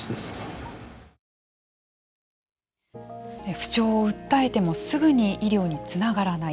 不調を訴えてもすぐに医療につながらない。